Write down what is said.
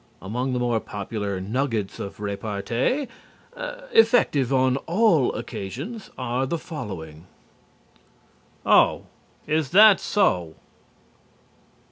Among the more popular nuggets of repartee, effective on all occasions, are the following: "Oh, is that so?"